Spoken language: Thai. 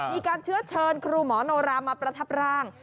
มีการเชื้อเชิญครูหมอโนรามาประทับร่าง